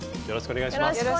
よろしくお願いします。